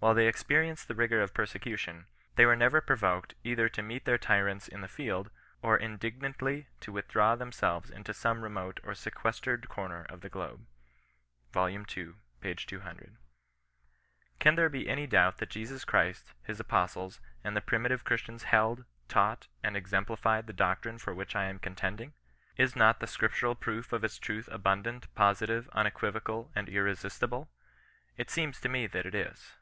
While they experienced the rigour of persecution, they w«re never provoked either to meet their tyrants in the field, or indignantly to withdraw themselves into some remote and sequestered comer of the globe." Vol. II. p. 200. Can there be any doubt that Jesus Christ, his apostles, and the primitive Christians held, taught, and exempli fied the doctrine for which I am contending ? Is not the scriptural proof of its truth abundant, positive, unequi vocal, and irresistible lit seems to me that it is.